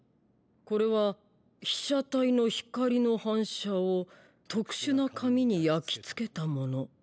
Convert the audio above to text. これは被写体の光の反射を特殊な紙に焼き付けたもの。